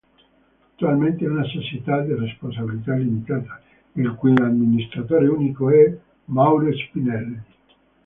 Attualmente è una Società a responsabilità limitata, il cui amministratore unico è Mauro Spinelli.